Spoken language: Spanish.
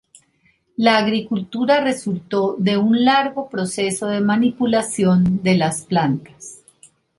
La agricultura resultó de un largo proceso de manipulación de las plantas.